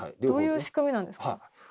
どういう仕組みなんですか？